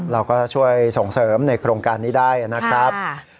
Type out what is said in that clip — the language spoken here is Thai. เราก็ช่วยส่งเสริมในโครงการนี้ได้นะครับ